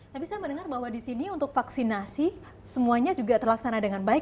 tapi saya mendengar bahwa disini untuk vaksinasi semuanya juga terlaksana dengan baik ya pak